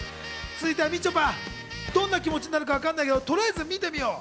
続いては、みちょぱ、どんな気持ちになるかわからないけれど、とりあえず見てみよう。